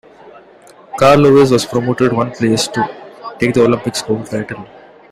Carl Lewis was then promoted one place to take the Olympic gold title.